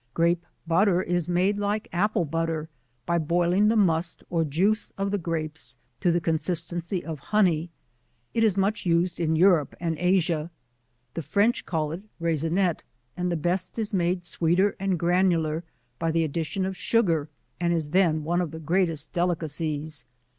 Grape Butter is made like Apple Butter, by boiling the Must or juice of the Grapes to the consistence of honey ; it is much used in Europe and Asia, the French call \i Raisinet ; the best is made sweeter and granular by the addition of sugar, and is then one of the greatest delicacies.